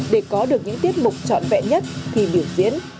để có được những tiết mục trọn vẹn nhất khi biểu diễn